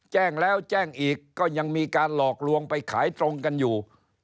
แจ้งแล้วแจ้งอีกก็ยังมีการหลอกลวงไปขายตรงกันอยู่